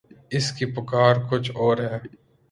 اس کی پکار کچھ اور ہے۔